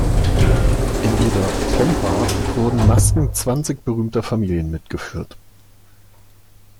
In ihrer "pompa" wurden Masken zwanzig berühmter Familien mitgeführt.